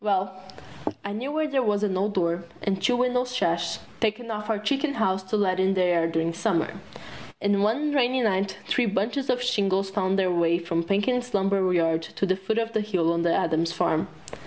Well, I knew where there was an old door and two window sash taken off our chicken house to let in the air during Summer. And one rainy night three bunches of shingles found their way from Perkins' lumber yard to the foot of the hill on the Adams Farm.